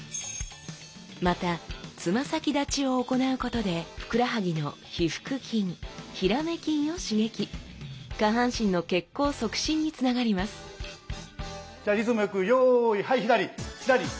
またつま先立ちを行うことでふくらはぎの腓腹筋ヒラメ筋を刺激下半身の血行促進につながりますじゃあリズムよくよいはい左左！